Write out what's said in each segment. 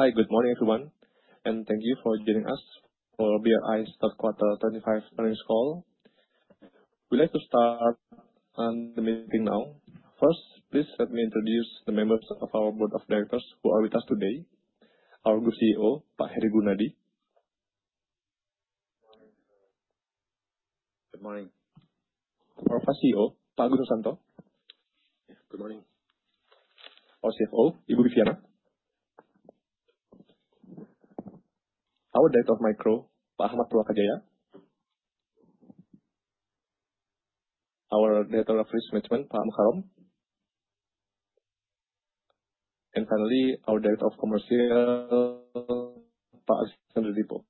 Hi, good morning everyone, and thank you for joining us for BRI's third quarter 2025 earnings call. We'd like to start the meeting now. First, please let me introduce the members of our Board of Directors who are with us today. Our good CEO, Pak Hery Gunardi. Good morning. Our Vice CEO, Pak Agus Noorsanto. Good morning. Our CFO, Ibu Viviana. Our Director of Micro, Pak Akhmad Purwakajaya. Our Director of Risk Management, Pak Mucharom. Finally, our Director of Commercial, Pak Alexander Dippo.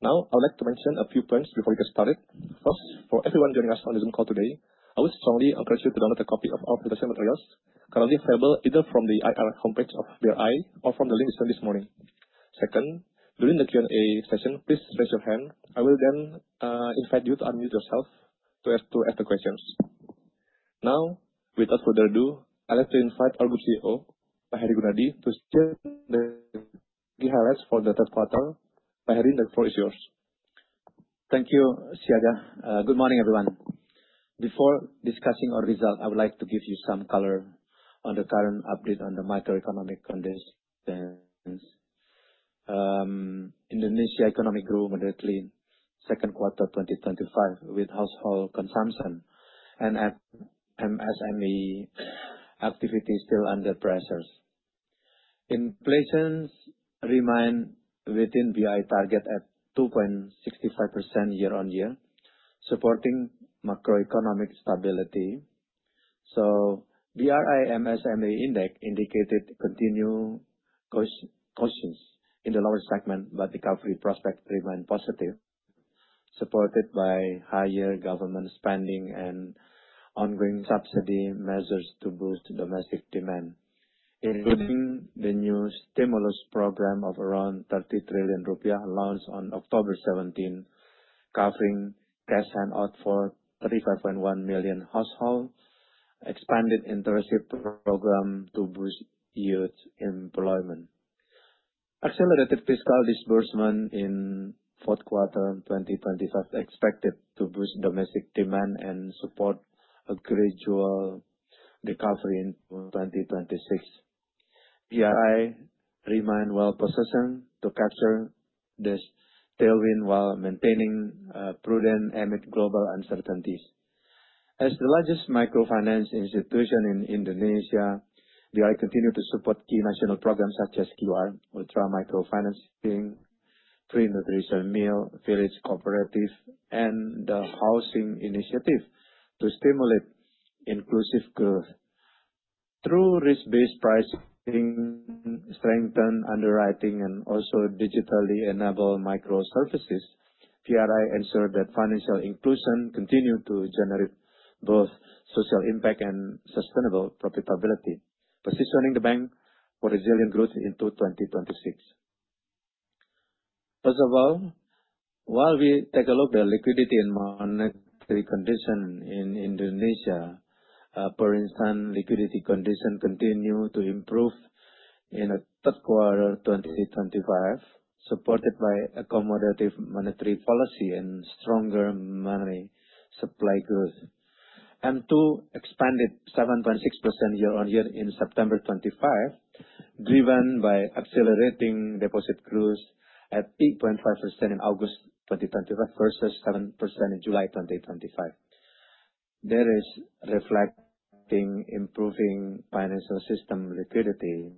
Now, I would like to mention a few points before we get started. First, for everyone joining us on this Zoom call today, I would strongly encourage you to download a copy of our presentation materials currently available either from the IR homepage of BRI or from the link we sent this morning. Second, during the Q&A session, please raise your hand. I will then invite you to unmute yourself to ask the questions. Now, without further ado, I'd like to invite our good CEO, Pak Hery Gunardi, to share the key highlights for the third quarter. Pak Hery, the floor is yours. Thank you, CEO, good morning everyone. Before discussing our results, I would like to give you some color on the current update on the macroeconomic conditions. Indonesia economy grew moderately second quarter 2025 with household consumption and MSME activity still under pressures. Inflation remained within BRI target at 2.65% year-on-year, supporting macroeconomic stability. BRI MSME index indicated continued cautions in the lower segment, but recovery prospects remained positive, supported by higher government spending and ongoing subsidy measures to boost domestic demand, including the new stimulus program of around 30 trillion rupiah launched on October 17, covering cash handout for 35.1 million households, expanded internship program to boost youth employment. Accelerated fiscal disbursement in fourth quarter 2025 is expected to boost domestic demand and support a gradual recovery in 2026. BRI remained well-positioned to capture this tailwind while maintaining prudent amid global uncertainties. As the largest microfinance institution in Indonesia, BRI continued to support key national programs such as QR, Ultra Microfinancing, Free Nutrition Meal, Village Cooperative, and the Housing Initiative to stimulate inclusive growth. Through risk-based pricing, strengthened underwriting, and also digitally-enabled microservices, BRI ensured that financial inclusion continued to generate both social impact and sustainable profitability, positioning the bank for resilient growth into 2026. First of all, while we take a look at the liquidity and monetary condition in Indonesia, for instance, liquidity condition continued to improve in the third quarter 2025, supported by accommodative monetary policy and stronger money supply growth. M2 expanded 7.6% year-on-year in September 2025, driven by accelerating deposit growth at 8.5% in August 2025 versus 7% in July 2025. That is reflecting improving financial system liquidity.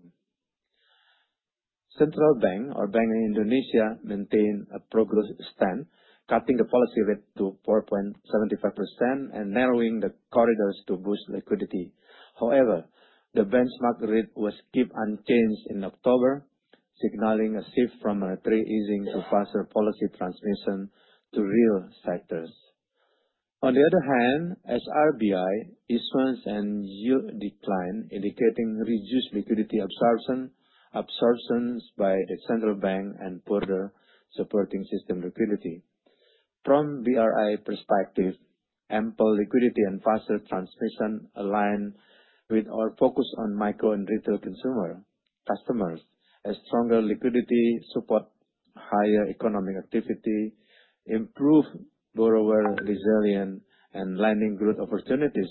Central Bank or Bank Indonesia maintained a progressive stance, cutting the policy rate to 4.75% and narrowing the corridors to boost liquidity. However, the benchmark rate was kept unchanged in October, signaling a shift from monetary easing to faster policy transmission to real sectors. On the other hand, SRBI issuance and yield decline, indicating reduced liquidity absorptions by the central bank and further supporting system liquidity. From BRI perspective, ample liquidity and faster transmission align with our focus on micro and retail consumer customers as stronger liquidity supports higher economic activity, improved borrower resilience, and lending growth opportunities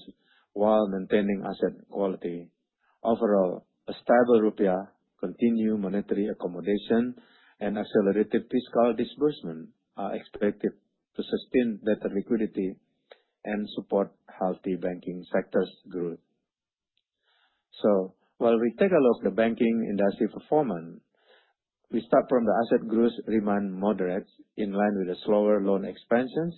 while maintaining asset quality. Overall, a stable rupiah, continued monetary accommodation, and accelerated fiscal disbursement are expected to sustain better liquidity and support healthy banking sectors' growth. While we take a look at the banking industry performance, we start from the asset growth remained moderate, in line with the slower loan expansions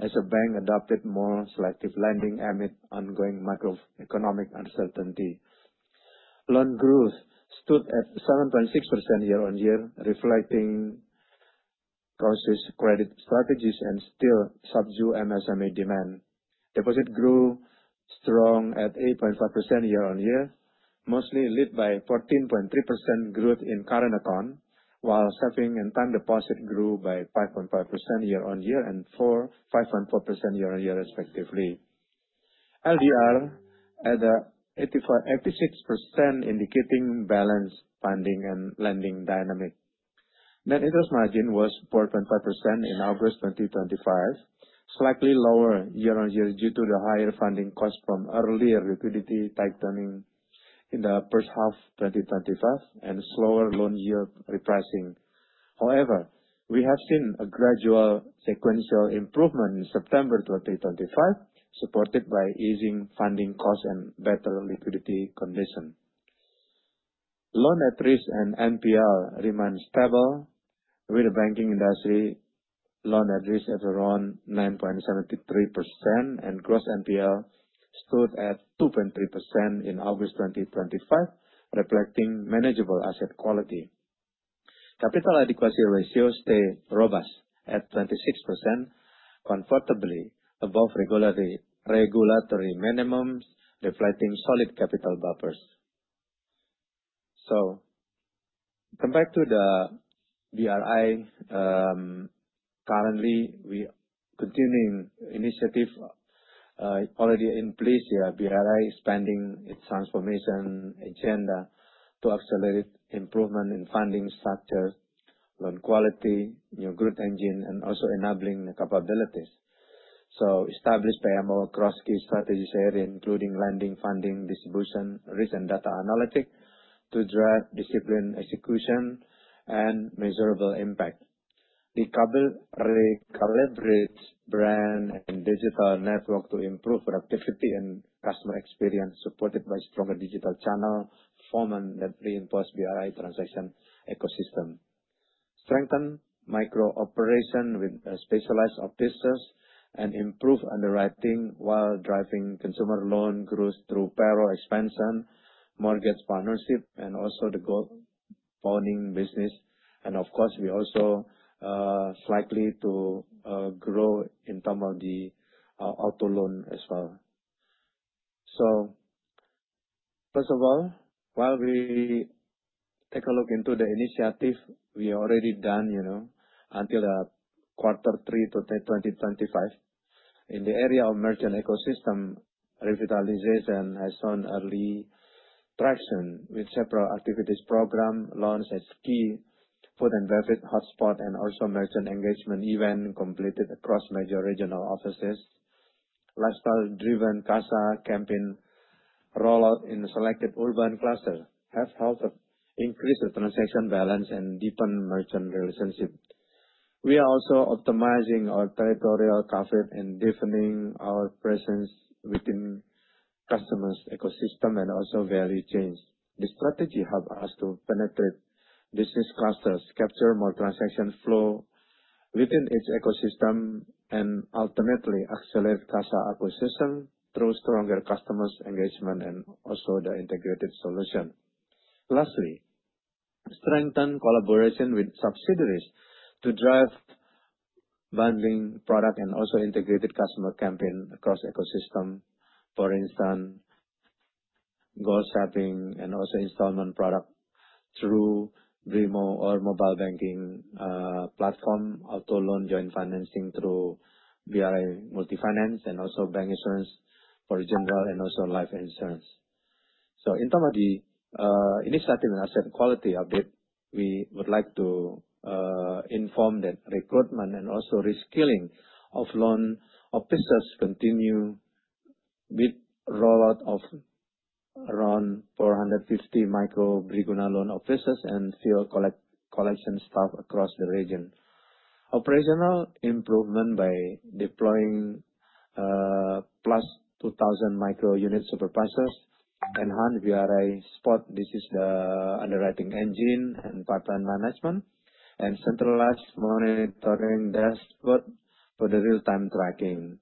as the bank adopted more selective lending amid ongoing macroeconomic uncertainty. Loan growth stood at 7.6% year-on-year, reflecting cautious credit strategies and still subdued MSME demand. Deposit grew strong at 8.5% year-on-year, mostly led by 14.3% growth in current account, while saving and time deposit grew by 5.5% year-on-year and 5.4% year-on-year, respectively. LDR at 86%, indicating balanced funding and lending dynamic. Net interest margin was 4.5% in August 2025, slightly lower year-on-year due to the higher funding costs from earlier liquidity tightening in the first half of 2025 and slower loan yield repricing. However, we have seen a gradual sequential improvement in September 2025, supported by easing funding costs and better liquidity conditions. Loan at risk and NPL remained stable, with the banking industry loan at risk at around 9.73% and gross NPL stood at 2.3% in August 2025, reflecting manageable asset quality. Capital adequacy ratio stayed robust at 26%, comfortably above regulatory minimums, reflecting solid capital buffers. Come back to the BRI. Currently, we are continuing initiatives already in place. BRI is expanding its transformation agenda to accelerate improvement in funding structure, loan quality, new growth engine, and also enabling the capabilities. Establish payable cross-key strategy sharing, including lending, funding, distribution, risk, and data analytics to drive discipline execution and measurable impact. Recalibrate brand and digital network to improve productivity and customer experience, supported by stronger digital channel performance that reinforces BRI transaction ecosystem. Strengthen micro-operations with specialized offices and improve underwriting while driving consumer loan growth through payroll expansion, mortgage partnership, and also the gold-pawning business. Of course, we also are likely to grow in terms of the auto loan as well. First of all, while we take a look into the initiative, we are already done until the quarter three to 2025. In the area of merchant ecosystem, revitalization has shown early traction with several activities: program launch at ski food and beverage hotspot, and also merchant engagement event completed across major regional offices. Lifestyle-driven CASA campaign rollout in selected urban clusters has helped increase the transaction balance and deepen merchant relationships. We are also optimizing our territorial coverage and deepening our presence within customers' ecosystem and also value chains. The strategy helps us to penetrate business clusters, capture more transaction flow within each ecosystem, and ultimately accelerate CASA acquisition through stronger customers' engagement and also the integrated solution. Lastly, strengthen collaboration with subsidiaries to drive bundling product and also integrated customer campaign across ecosystem, for instance, goal setting and also installment product through BRIMO or mobile banking platform, auto loan joint financing through BRI Finance, and also bank insurance for general and also life insurance. In terms of the initiative and asset quality update, we would like to inform that recruitment and also reskilling of loan officers continue with rollout of around 450 micro-Briguna loan officers and field collection staff across the region. Operational improvement by deploying plus 2,000 micro-unit supervisors enhanced BRI spot. This is the underwriting engine and pipeline management and centralized monitoring dashboard for the real-time tracking.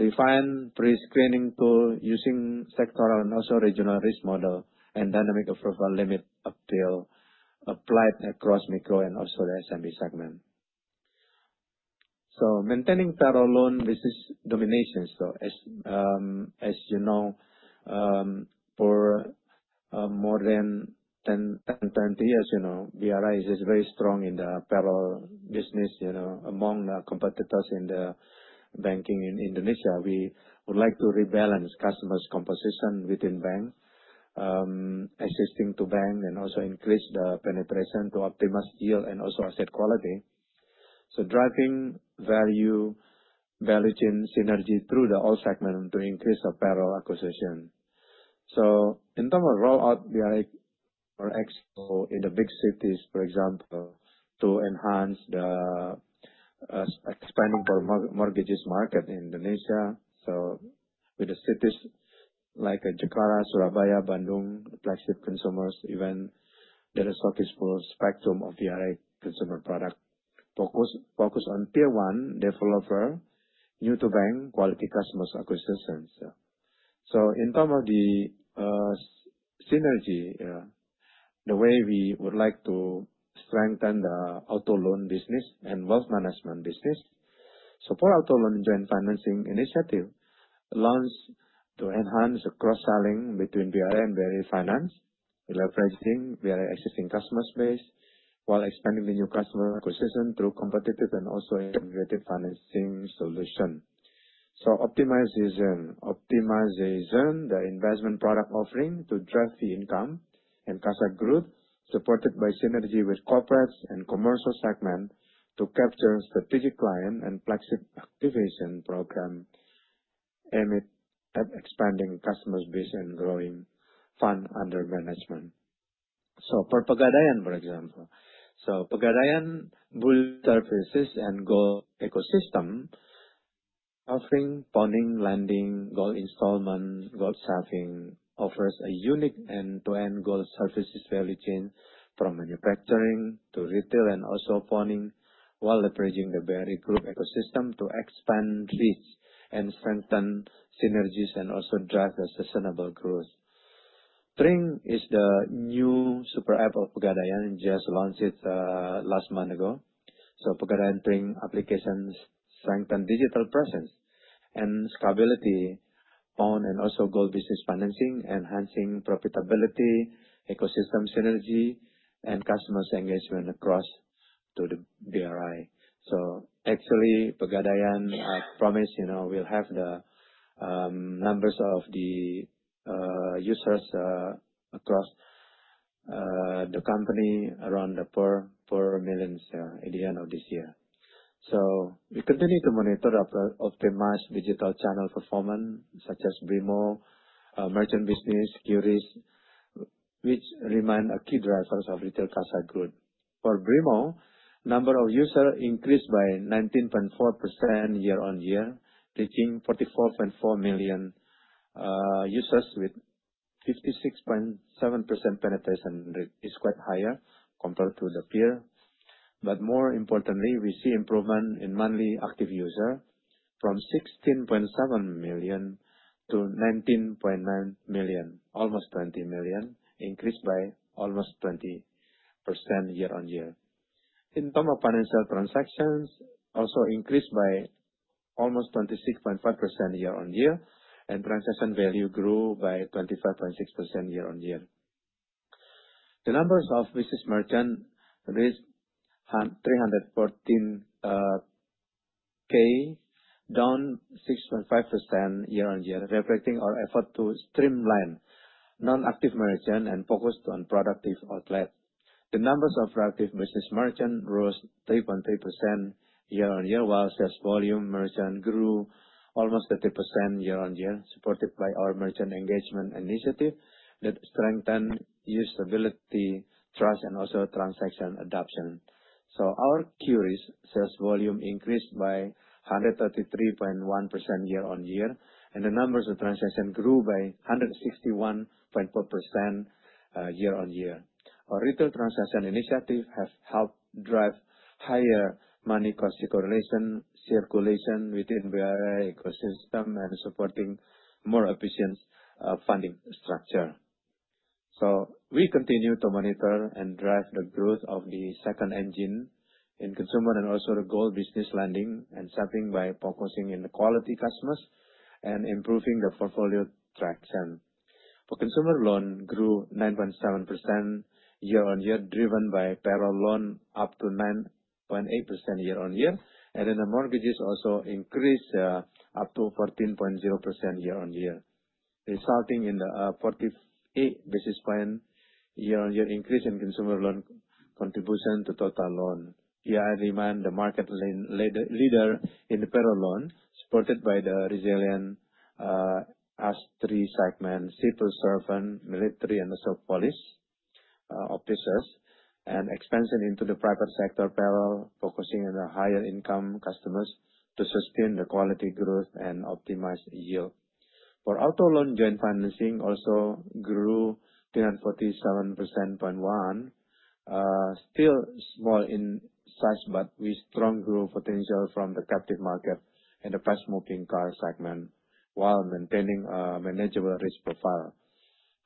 Refined pre-screening tool using sectoral and also regional risk model and dynamic approval limit appeal applied across micro and also the SME segment. Maintaining payroll loan business domination. As you know, for more than 10, 20 years, BRI is very strong in the payroll business among the competitors in the banking in Indonesia. We would like to rebalance customers' composition within bank assisting to bank and also increase the penetration to optimize yield and also asset quality. Driving value, value chain synergy through the all segment to increase payroll acquisition. In terms of rollout, we are exporting in the big cities, for example, to enhance the expanding mortgages market in Indonesia. With the cities like Jakarta, Surabaya, Bandung, flagship consumers event, there is a focus full spectrum of BRI consumer product focus on tier one developer, new to bank, quality customers' acquisitions. In terms of the synergy, the way we would like to strengthen the auto loan business and wealth management business. For auto loan joint financing initiative launched to enhance the cross-selling between BRI and BRI Finance, leveraging BRI existing customer base while expanding the new customer acquisition through competitive and also integrated financing solution. Optimization, optimization the investment product offering to drive the income and CASA growth supported by synergy with corporates and commercial segment to capture strategic client and flagship activation program amid expanding customers' base and growing fund under management. For Pegadaian, for example. Pegadaian gold services and gold ecosystem offering, pawning, lending, gold installment, gold saving offers a unique end-to-end gold services value chain from manufacturing to retail and also pawning while leveraging the BRI group ecosystem to expand reach and strengthen synergies and also drive the sustainable growth. Tring is the new super app of Pegadaian just launched last month. Pegadaian Tring applications strengthen digital presence and scalability, pawn and also gold business financing, enhancing profitability, ecosystem synergy, and customers' engagement across to the BRI. Actually, Pegadaian promise will have the numbers of the users across the company around the per million share at the end of this year. We continue to monitor the optimized digital channel performance such as BRIMO, merchant business, securities, which remain key drivers of retail CASA growth. For BRIMO, number of users increased by 19.4% year-on-year, reaching 44.4 million users with 56.7% penetration rate, is quite higher compared to the peer. More importantly, we see improvement in monthly active user from 16.7 million to 19.9 million, almost 20 million, increased by almost 20% year-on-year. In terms of financial transactions, also increased by almost 26.5% year-on-year, and transaction value grew by 25.6% year-on-year. The numbers of business merchant risk 314K, down 6.5% year-on-year, reflecting our effort to streamline non-active merchant and focus on productive outlet. The numbers of productive business merchant rose 3.3% year-on-year, while sales volume merchant grew almost 30% year-on-year, supported by our merchant engagement initiative that strengthened usability, trust, and also transaction adoption. Our QRIS sales volume increased by 133.1% year-on-year, and the numbers of transaction grew by 161.4% year-on-year. Our retail transaction initiative has helped drive higher money cost circulation within the BRI ecosystem and supporting a more efficient funding structure. We continue to monitor and drive the growth of the second engine in consumer and also the gold business lending and saving by focusing on the quality customers and improving the portfolio traction. For consumer loan, grew 9.7% year-on-year, driven by payroll loan up to 9.8% year-on-year, and then the mortgages also increased up to 14.0% year-on-year, resulting in the 48 basis point year-on-year increase in consumer loan contribution to total loan. BRI remained the market leader in the payroll loan, supported by the resilient S3 segment, civil servant, military, and also police officers, and expansion into the private sector payroll, focusing on the higher income customers to sustain the quality growth and optimize yield. For auto loan joint financing, also grew 347.1%, still small in size, but with strong growth potential from the captive market and the fast-moving car segment while maintaining a manageable risk profile.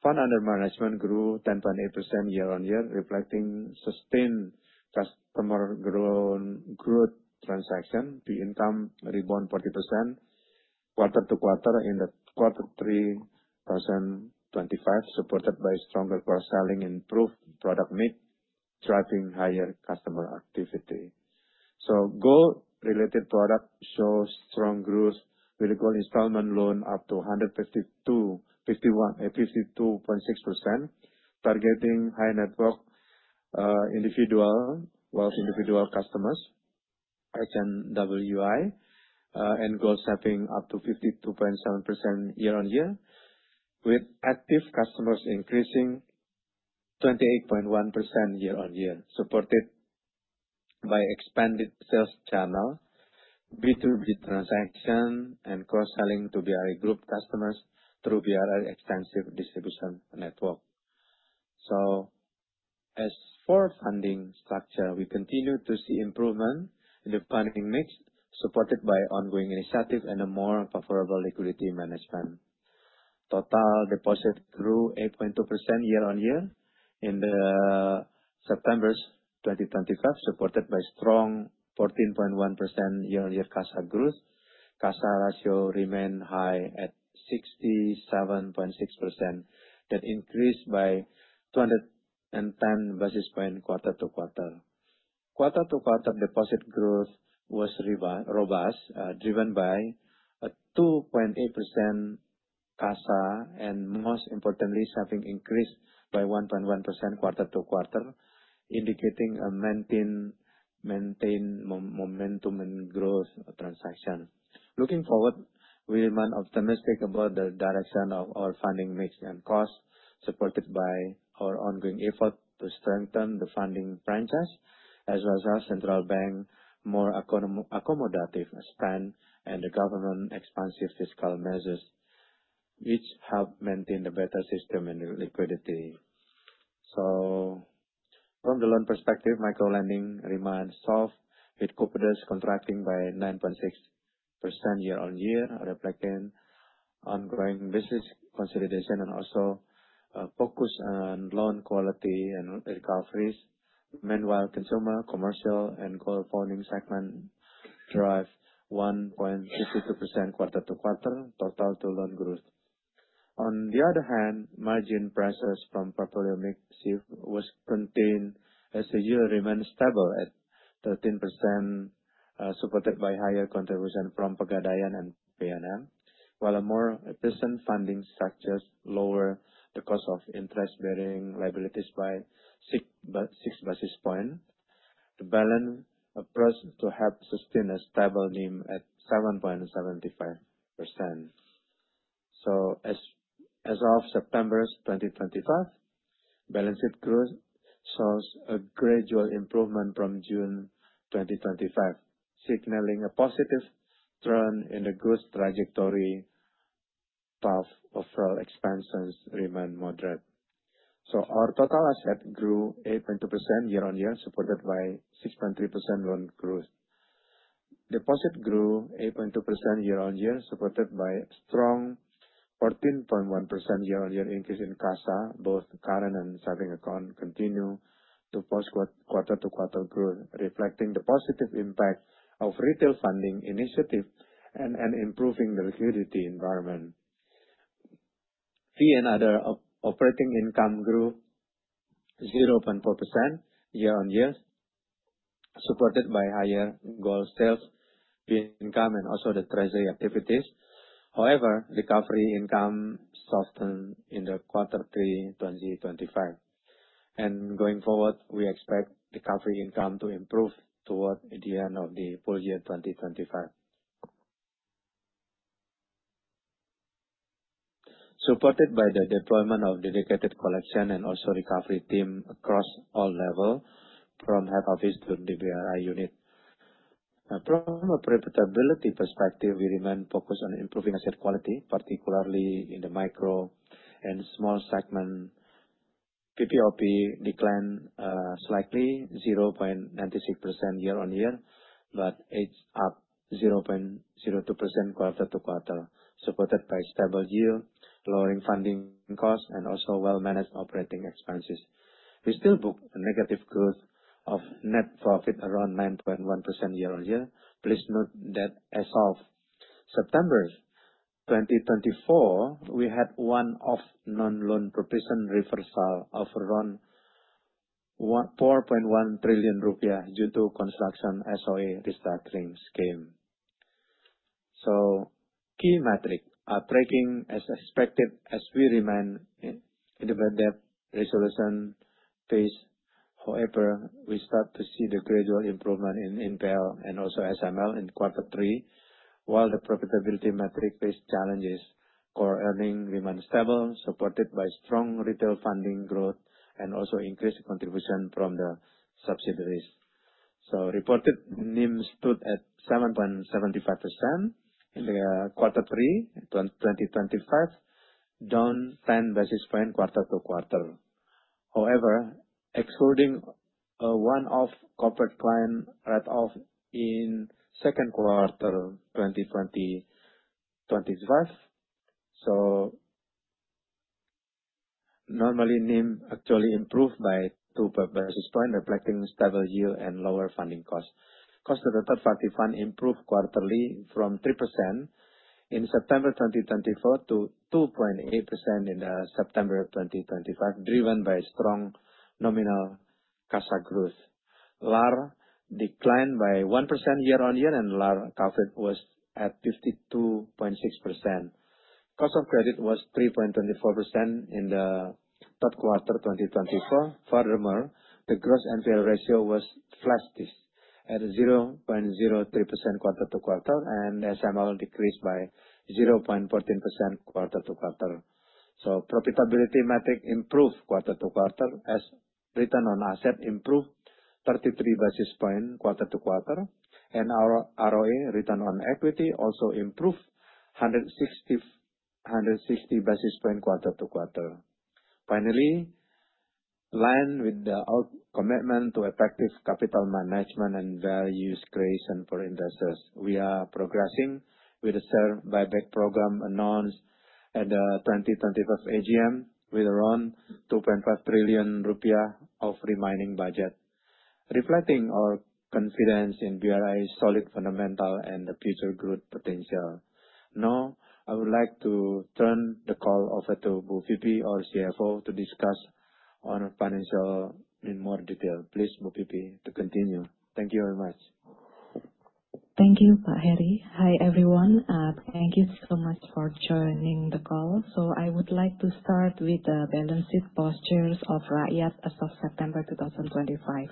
Fund under management grew 10.8% year-on-year, reflecting sustained customer growth transaction to income reborn 40% quarter to quarter in the quarter three 2025, supported by stronger cross-selling and improved product mix, driving higher customer activity. Gold-related product shows strong growth with gold installment loan up to 152.6%, targeting high net worth individual, wealth individual customers, HNWI, and gold saving up to 52.7% year-on-year, with active customers increasing 28.1% year-on-year, supported by expanded sales channel B2B transaction and cross-selling to BRI group customers through BRI extensive distribution network. As for funding structure, we continue to see improvement in the funding mix, supported by ongoing initiative and a more favorable liquidity management. Total deposit grew 8.2% year-on-year in September 2025, supported by strong 14.1% year-on-year CASA growth. CASA ratio remained high at 67.6% that increased by 210 basis points quarter to quarter. Quarter to quarter deposit growth was robust, driven by a 2.8% CASA and most importantly, saving increased by 1.1% quarter to quarter, indicating a maintained momentum and growth transaction. Looking forward, we remain optimistic about the direction of our funding mix and cost, supported by our ongoing effort to strengthen the funding franchise, as well as central bank more accommodative spend and the government expansive fiscal measures, which help maintain the better system and liquidity. From the loan perspective, micro lending remained soft with cooperatives contracting by 9.6% year-on-year, reflecting ongoing business consideration and also focus on loan quality and recoveries. Meanwhile, consumer, commercial, and gold pawning segment drive 1.52% quarter to quarter total loan growth. On the other hand, margin pressures from portfolio mix was contained as the yield remained stable at 13%, supported by higher contribution from Pegadaian and PNM, while more efficient funding structures lowered the cost of interest-bearing liabilities by 6 basis points. The balance approach to help sustain a stable NIM at 7.75%. As of September 2025, balance sheet growth shows a gradual improvement from June 2025, signaling a positive trend in the growth trajectory path. Overall, expansions remain moderate. Our total asset grew 8.2% year-on-year, supported by 6.3% loan growth. Deposit grew 8.2% year-on-year, supported by strong 14.1% year-on-year increase in CASA. Both current and saving account continue to post quarter to quarter growth, reflecting the positive impact of retail funding initiative and improving the liquidity environment. Fee and other operating income grew 0.4% year-on-year, supported by higher gold sales, fee income, and also the treasury activities. However, recovery income softened in the quarter three 2025. Going forward, we expect recovery income to improve toward the end of the full year 2025, supported by the deployment of dedicated collection and also recovery team across all levels from head office to the BRI unit. From a profitability perspective, we remain focused on improving asset quality, particularly in the micro and small segment. PPOP declined slightly, 0.96% year-on-year, but edged up 0.02% quarter to quarter, supported by stable yield, lowering funding costs, and also well-managed operating expenses. We still booked a negative growth of net profit around 9.1% year-on-year. Please note that as of September 2024, we had one-off non-loan provision reversal of around 4.1 trillion rupiah due to construction SOE restructuring scheme. Key metrics are breaking as expected as we remain in the resolution phase. However, we start to see the gradual improvement in NPL and also SML in quarter three, while the profitability metric faced challenges. KUR earnings remain stable, supported by strong retail funding growth and also increased contribution from the subsidiaries. Reported NIM stood at 7.75% in the quarter three 2025, down 10 basis points quarter to quarter. However, excluding a one-off corporate client write-off in second quarter 2025, normally NIM actually improved by 2 basis points, reflecting stable yield and lower funding costs. Cost of the third party fund improved quarterly from 3% in September 2024 to 2.8% in September 2025, driven by strong nominal CASA growth. LAR declined by 1% year-on-year, and LAR COVID was at 52.6%. Cost of credit was 3.24% in the third quarter 2024. Furthermore, the gross NPL ratio was flat at 0.03% quarter to quarter, and SML decreased by 0.14% quarter to quarter. Profitability metric improved quarter to quarter as return on asset improved 33 basis points quarter to quarter, and our ROE return on equity also improved 160 basis points quarter to quarter. Finally, aligned with the commitment to effective capital management and value creation for investors, we are progressing with the share buyback program announced at the 2025 AGM with around 2.5 trillion rupiah of remaining budget, reflecting our confidence in BRI's solid fundamental and the future growth potential. Now, I would like to turn the call over to Bu Vivi, our CFO, to discuss on financial in more detail. Please, Bu Vivi, to continue. Thank you very much. Thank you, Pak Hery. Hi everyone. Thank you so much for joining the call. I would like to start with the balance sheet postures of Rakyat as of September 2025.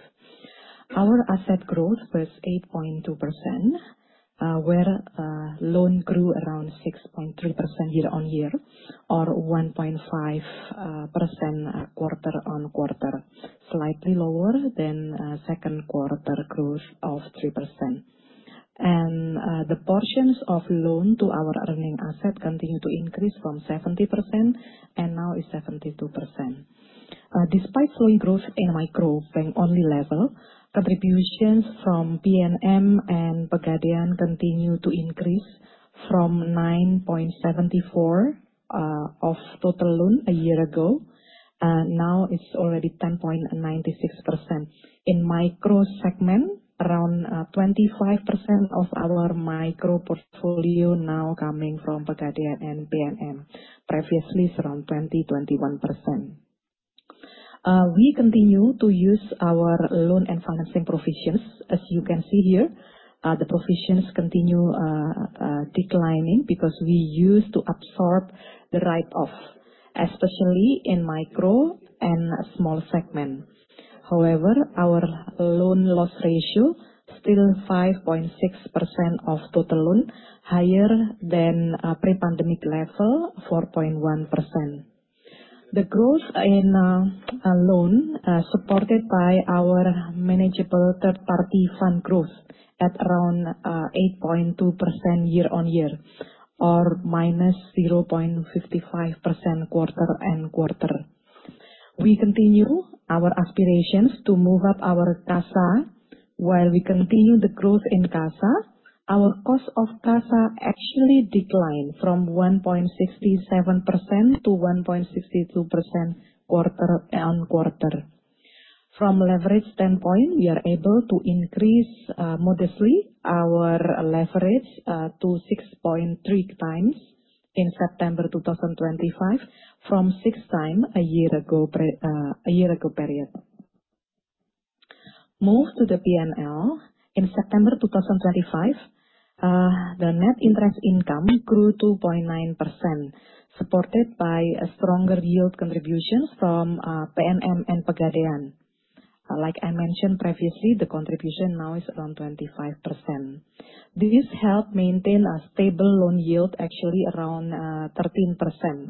Our asset growth was 8.2%, where loan grew around 6.3% year-on-year, or 1.5% quarter on quarter, slightly lower than second quarter growth of 3%. The portions of loan to our earning asset continue to increase from 70% and now is 72%. Despite slowing growth in a micro bank-only level, contributions from PNM and Pegadaian continue to increase from 9.74% of total loan a year ago, and now it's already 10.96%. In micro segment, around 25% of our micro portfolio now coming from Pegadaian and PNM, previously around 20-21%. We continue to use our loan and financing provisions. As you can see here, the provisions continue declining because we used to absorb the write-off, especially in micro and small segment. However, our loan loss ratio still 5.6% of total loan, higher than pre-pandemic level 4.1%. The growth in loan supported by our manageable third-party fund growth at around 8.2% year-on-year, or minus 0.55% quarter and quarter. We continue our aspirations to move up our CASA while we continue the growth in CASA. Our cost of CASA actually declined from 1.67% to 1.62% quarter on quarter. From leverage standpoint, we are able to increase modestly our leverage to 6.3 times in September 2025 from 6 times a year ago period. Move to the PNL. In September 2025, the net interest income grew 2.9%, supported by stronger yield contributions from PNM and Pegadaian. Like I mentioned previously, the contribution now is around 25%. This helped maintain a stable loan yield, actually around 13%.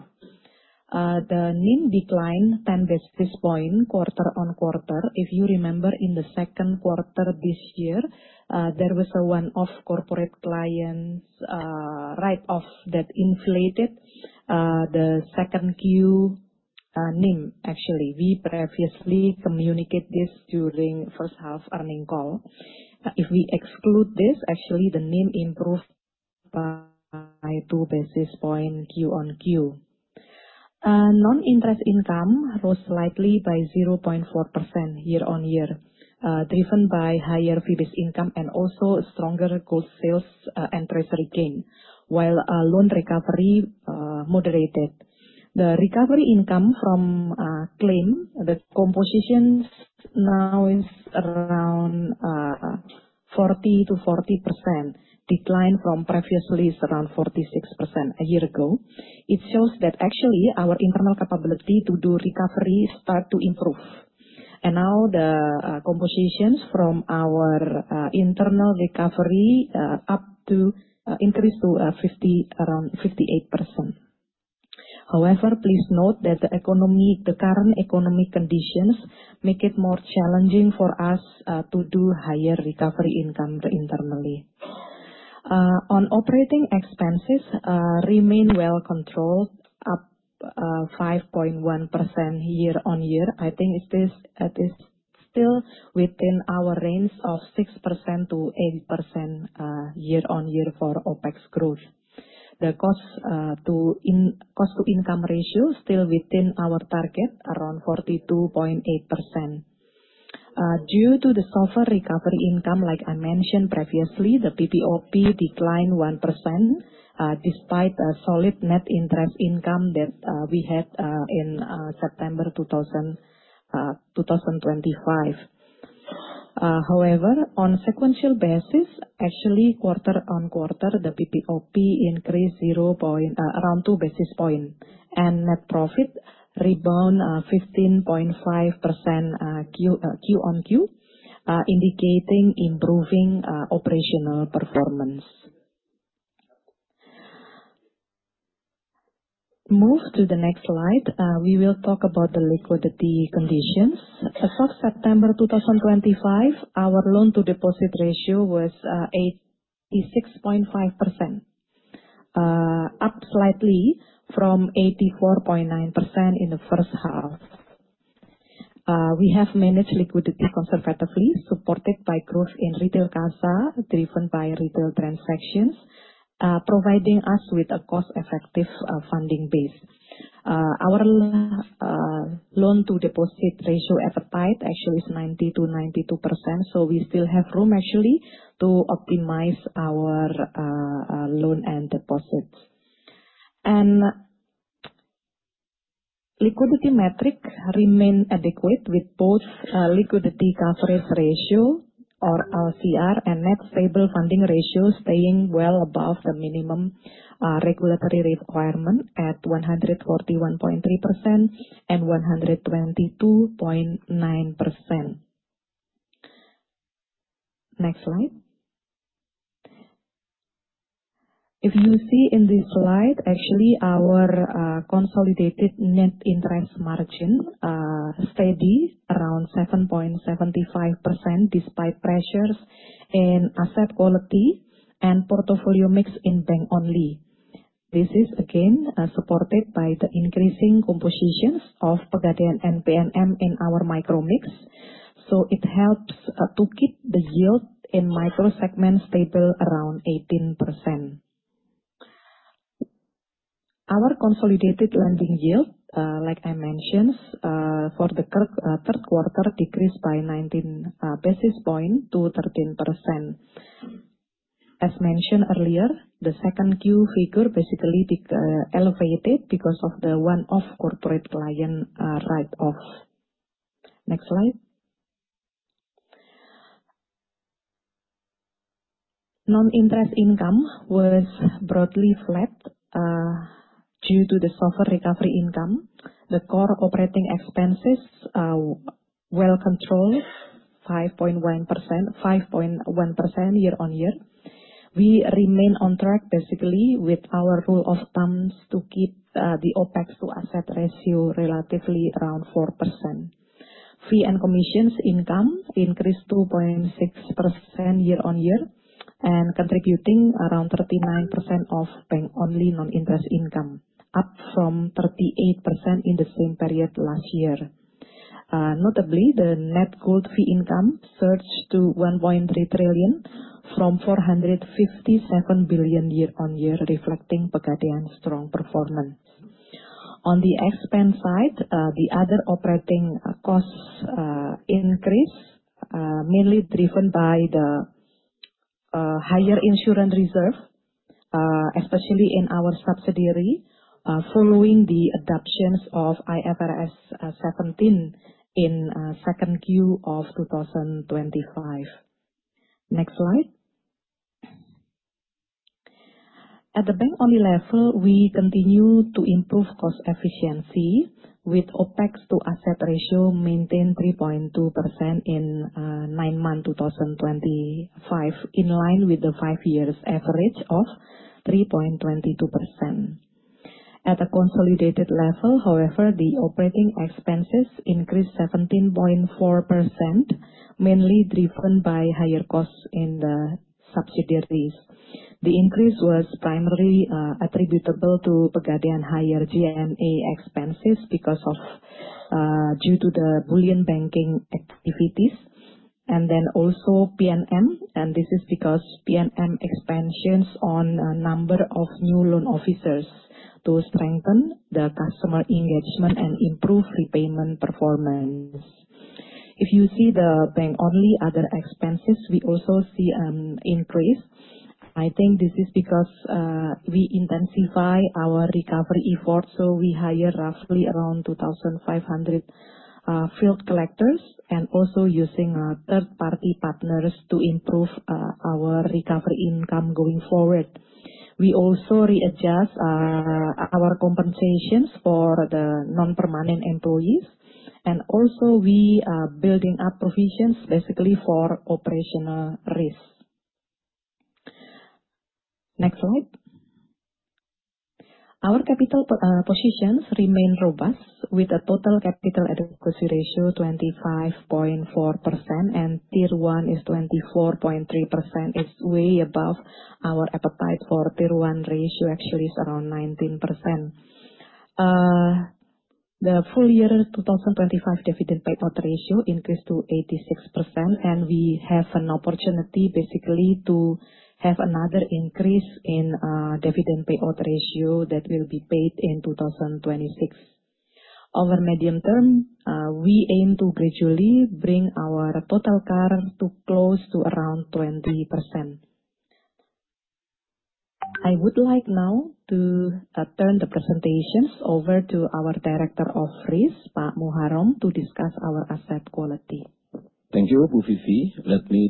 The NIM declined 10 basis points quarter on quarter. If you remember, in the second quarter this year, there was a one-off corporate client write-off that inflated the second Q NIM, actually. We previously communicated this during the first half earning call. If we exclude this, actually the NIM improved by 2 basis points Q on Q. Non-interest income rose slightly by 0.4% year-on-year, driven by higher fee-based income and also stronger gold sales and treasury gain, while loan recovery moderated. The recovery income from claim, the composition now is around 40% to 40%, declined from previously around 46% a year ago. It shows that actually our internal capability to do recovery started to improve. Now the compositions from our internal recovery increased to around 58%. However, please note that the current economic conditions make it more challenging for us to do higher recovery income internally. On operating expenses, remain well controlled, up 5.1% year-on-year. I think it is still within our range of 6%-8% year-on-year for OPEX growth. The cost-to-income ratio is still within our target, around 42.8%. Due to the softer recovery income, like I mentioned previously, the PPOP declined 1% despite a solid net interest income that we had in September 2025. However, on a sequential basis, actually quarter on quarter, the PPOP increased around 2 basis points and net profit rebounded 15.5% Q on Q, indicating improving operational performance. Move to the next slide. We will talk about the liquidity conditions. As of September 2025, our loan-to-deposit ratio was 86.5%, up slightly from 84.9% in the first half. We have managed liquidity conservatively, supported by growth in retail CASA, driven by retail transactions, providing us with a cost-effective funding base. Our loan-to-deposit ratio at the tight actually is 90-92%, so we still have room actually to optimize our loan and deposits. Liquidity metrics remain adequate with both liquidity coverage ratio, or LCR, and net stable funding ratio staying well above the minimum regulatory requirement at 141.3% and 122.9%. Next slide. If you see in this slide, actually our consolidated net interest margin is steady around 7.75% despite pressures in asset quality and portfolio mix in bank-only. This is again supported by the increasing compositions of Pegadaian and PNM in our micro mix, so it helps to keep the yield in micro segment stable around 18%. Our consolidated lending yield, like I mentioned, for the third quarter decreased by 19 basis points to 13%. As mentioned earlier, the second quarter figure basically elevated because of the one-off corporate client write-off. Next slide. Non-interest income was broadly flat due to the software recovery income. The Core operating expenses were well controlled, 5.1% year-on-year. We remain on track basically with our rule of thumbs to keep the OPEX to asset ratio relatively around 4%. Fee and commissions income increased 2.6% year-on-year, contributing around 39% of bank-only non-interest income, up from 38% in the same period last year. Notably, the net gold fee income surged to 1.3 trillion from 457 billion year-on-year, reflecting Pegadaian's strong performance. On the expense side, the other operating costs increased, mainly driven by the higher insurance reserve, especially in our subsidiary, following the adoption of IFRS 17 in second quarter of 2025. Next slide. At the bank-only level, we continue to improve cost efficiency with OPEX to asset ratio maintained at 3.2% in nine months 2025, in line with the five-year average of 3.22%. At the consolidated level, however, the operating expenses increased 17.4%, mainly driven by higher costs in the subsidiaries. The increase was primarily attributable to Pegadaian's higher G&A expenses due to the bullion banking activities, and then also PNM, and this is because PNM expansions on a number of new loan officers to strengthen the customer engagement and improve repayment performance. If you see the bank-only other expenses, we also see an increase. I think this is because we intensify our recovery efforts, so we hire roughly around 2,500 field collectors and also using third-party partners to improve our recovery income going forward. We also readjust our compensations for the non-permanent employees, and also we are building up provisions basically for operational risk. Next slide. Our capital positions remain robust with a total capital adequacy ratio of 25.4%, and tier one is 24.3%. It's way above our appetite for tier one ratio, actually it's around 19%. The full year 2025 dividend payout ratio increased to 86%, and we have an opportunity basically to have another increase in dividend payout ratio that will be paid in 2026. Over medium term, we aim to gradually bring our total CAR to close to around 20%. I would like now to turn the presentations over to our Director of Risk, Pak Mucharom, to discuss our asset quality. Thank you, Bu Vivi. Let me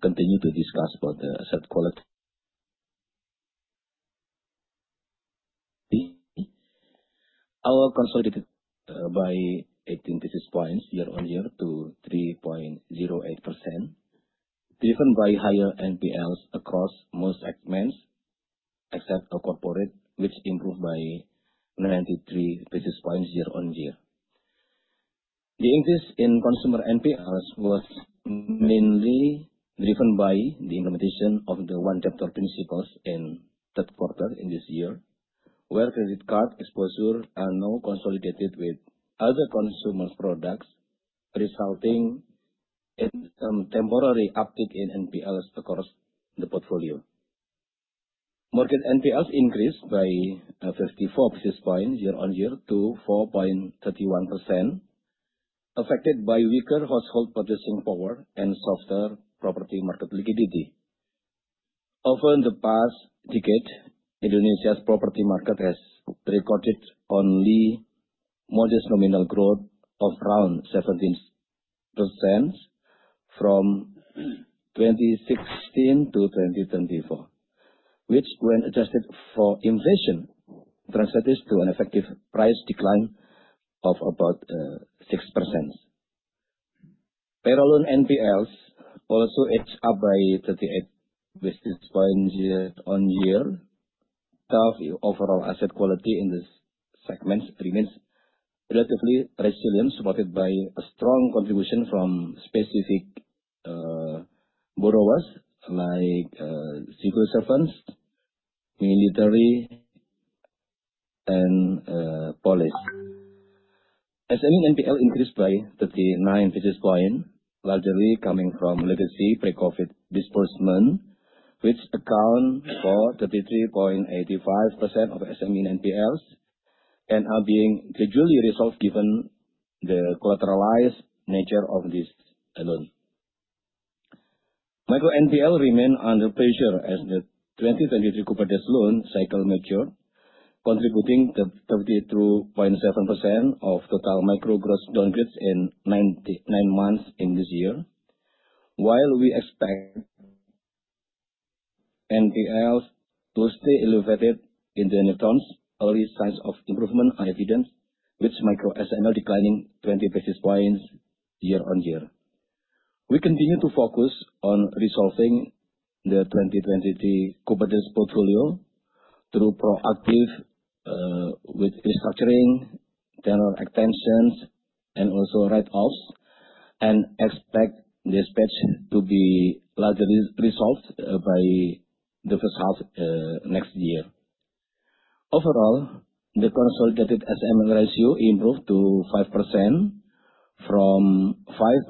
continue to discuss about the asset quality. Our consolidated by 18 basis points year-on-year to 3.08%, driven by higher NPLs across most segments except corporate, which improved by 93 basis points year-on-year. The increase in consumer NPLs was mainly driven by the implementation of the one-obligor principle in third quarter in this year, where credit card exposure now consolidated with other consumer products, resulting in temporary uptick in NPLs across the portfolio. Market NPLs increased by 54 basis points year-on-year to 4.31%, affected by weaker household purchasing power and softer property market liquidity. Over the past decade, Indonesia's property market has recorded only modest nominal growth of around 17% from 2016 to 2024, which, when adjusted for inflation, translates to an effective price decline of about 6%. Payroll loan NPLs also edged up by 38 basis points year-on-year. Overall asset quality in these segments remains relatively resilient, supported by a strong contribution from specific borrowers like civil servants, military, and police. SME NPL increased by 39 basis points, largely coming from legacy pre-COVID disbursement, which accounts for 33.85% of SME NPLs and are being gradually resolved given the collateralized nature of this loan. Micro NPL remain under pressure as the 2023 cooperative loan cycle matured, contributing to 33.7% of total micro gross downgrades in nine months in this year, while we expect NPLs to stay elevated in the near terms. Early signs of improvement are evident, with micro SML declining 20 basis points year-on-year. We continue to focus on resolving the 2023 cooperative portfolio through proactive restructuring, tenor extensions, and also write-offs, and expect this patch to be largely resolved by the first half next year. Overall, the consolidated SML ratio improved to 5% from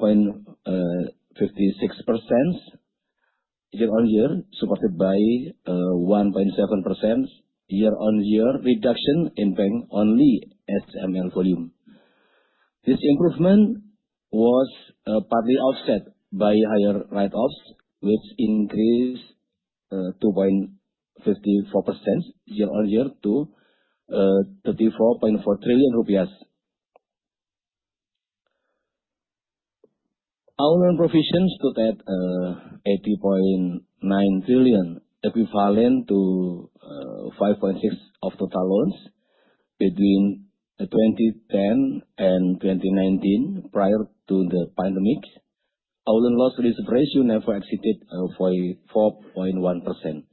5.56% year-on-year, supported by a 1.7% year-on-year reduction in bank-only SML volume. This improvement was partly offset by higher write-offs, which increased 2.54% year-on-year to IDR 34.4 trillion. Our loan provisions total 80.9 trillion, equivalent to 5.6% of total loans between 2010 and 2019 prior to the pandemic. Our loan loss risk ratio never exceeded 4.1%.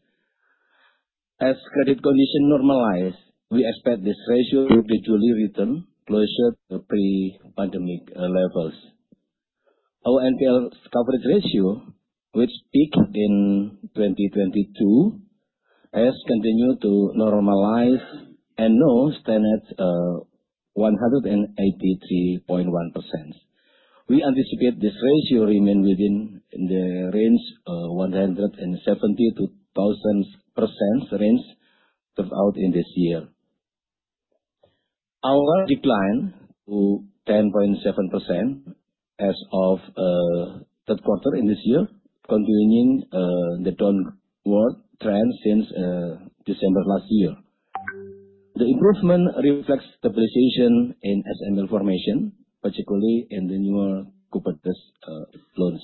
As credit conditions normalize, we expect this ratio to gradually return closer to pre-pandemic levels. Our NPL coverage ratio, which peaked in 2022, has continued to normalize and now stands at 183.1%. We anticipate this ratio remaining within the range of [170-1,000%] throughout this year. Our decline to 10.7% as of third quarter in this year continues the downward trend since December last year. The improvement reflects stabilization in SML formation, particularly in the newer cooperative loans.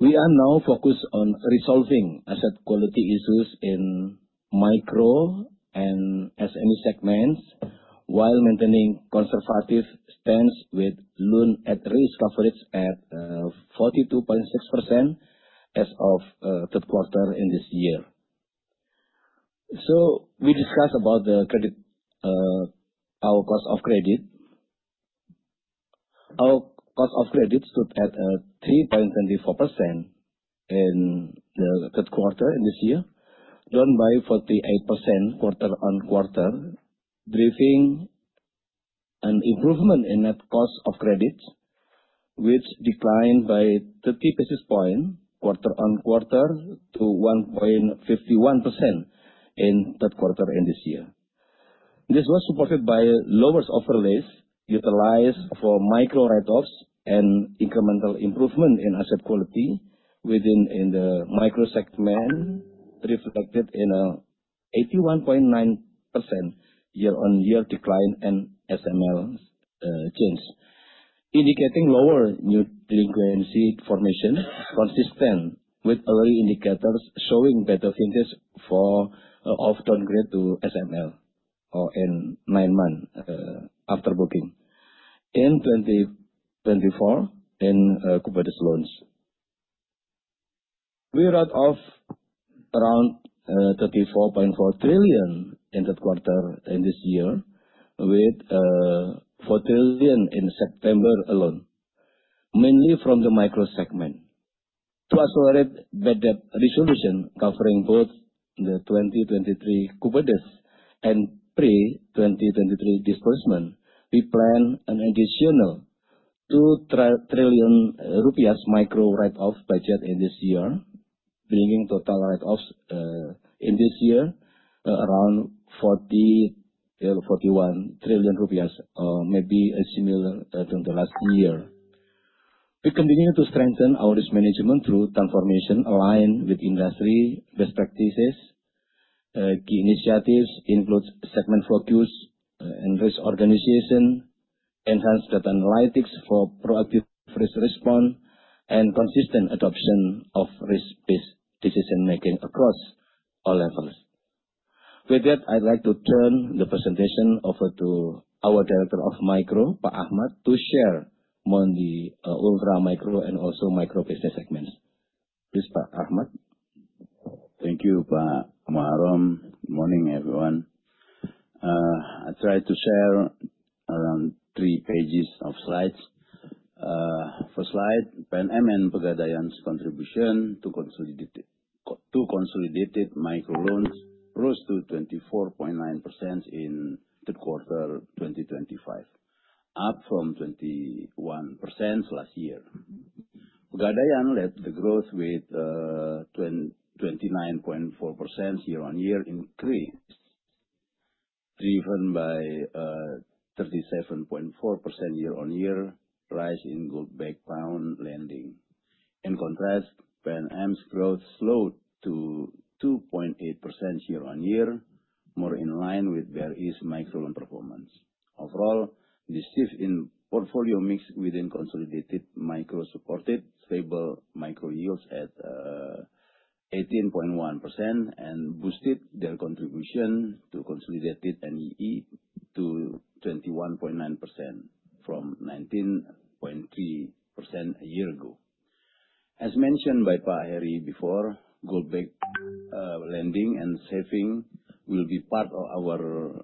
We are now focused on resolving asset quality issues in micro and SME segments while maintaining conservative stance with loan at-risk coverage at 42.6% as of third quarter in this year. We discussed about our cost of credit. Our cost of credit stood at 3.24% in the third quarter in this year, down by 48% quarter on quarter, driving an improvement in net cost of credit, which declined by 30 basis points quarter on quarter to 1.51% in third quarter in this year. This was supported by lower overlays utilized for micro write-offs and incremental improvement in asset quality within the micro segment, reflected in an 81.9% year-on-year decline in SML change, indicating lower new delinquency formation consistent with early indicators showing better hinges for off-downgrade to SML in nine months after booking in 2024 in cooperative loans. We write off around 34.4 trillion in third quarter in this year, with 4 trillion in September alone, mainly from the micro segment. To accelerate better resolution covering both the 2023 cooperative and pre-2023 disbursement, we plan an additional 2 trillion rupiah micro write-off budget in this year, bringing total write-offs in this year around 41 trillion rupiah, maybe similar to the last year. We continue to strengthen our risk management through transformation aligned with industry best practices. Key initiatives include segment focus and risk organization, enhanced data analytics for proactive risk response, and consistent adoption of risk-based decision-making across all levels. With that, I'd like to turn the presentation over to our Director of Micro, Pak Akhmad, to share more on the ultra micro and also micro business segments. Please, Pak Akhmad. Thank you, Pak Mucharom. Good morning, everyone. I tried to share around three pages of slides. First slide, PNM and Pegadaian's contribution to consolidated micro loans rose to 24.9% in third quarter 2025, up from 21% last year. Pegadaian led the growth with 29.4% year-on-year increase, driven by 37.4% year-on-year rise in gold backed pawn lending. In contrast, PNM's growth slowed to 2.8% year-on-year, more in line with various micro loan performance. Overall, the shift in portfolio mix within consolidated micro supported stable micro yields at 18.1% and boosted their contribution to consolidated NII to 21.9% from 19.3% a year ago. As mentioned by Pak Hery before, gold backed lending and saving will be part of our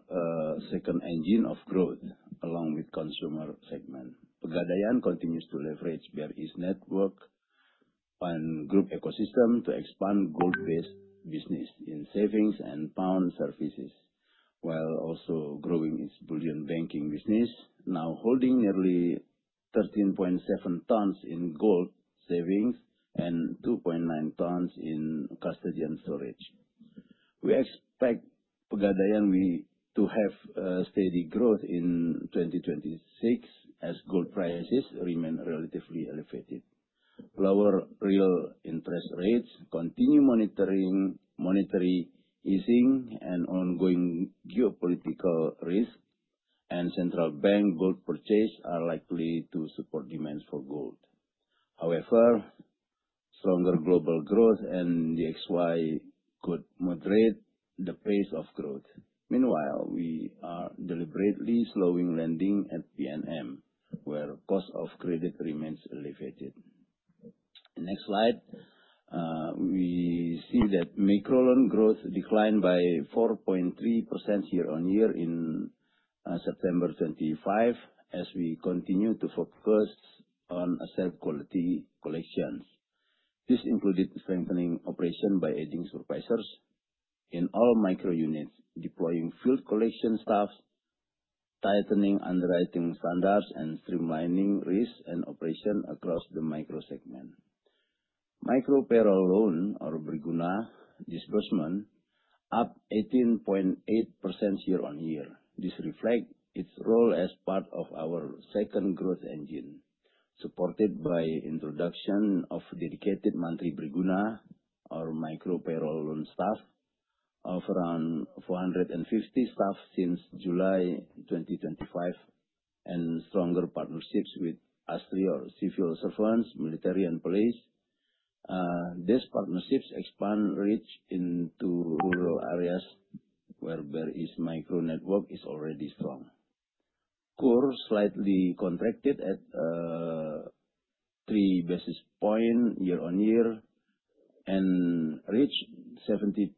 second engine of growth along with consumer segment. Pegadaian continues to leverage various networks and group ecosystems to expand gold-based business in savings and pawn services, while also growing its bullion banking business, now holding nearly 13.7 tons in gold savings and 2.9 tons in custodian storage. We expect Pegadaian to have steady growth in 2026 as gold prices remain relatively elevated. Lower real interest rates, continued monetary easing, and ongoing geopolitical risk, and central bank gold purchase are likely to support demand for gold. However, stronger global growth and DXY could moderate the pace of growth. Meanwhile, we are deliberately slowing lending at PNM, where cost of credit remains elevated. Next slide. We see that micro loan growth declined by 4.3% year-on-year in September 2025 as we continue to focus on asset quality collections. This included strengthening operation by aging supervisors in all micro units, deploying field collection staff, tightening underwriting standards, and streamlining risk and operation across the micro segment. Micro payroll loan or Briguna disbursement, up 18.8% year-on-year. This reflects its role as part of our second growth engine, supported by the introduction of dedicated Mantri Briguna or micro payroll loan staff of around 450 staff since July 2025 and stronger partnerships with civil servants, military, and police. These partnerships expand reach into rural areas where various micro networks are already strong. KUR slightly contracted at 3 basis points year-on-year and reached 72.6%